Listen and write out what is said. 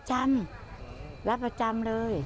จำรับประจำเลย